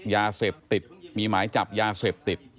ยาเสพติดมีหมายจับยาเสพติด